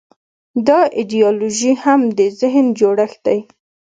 دا ایدیالوژي هم د ذهن جوړښت دی.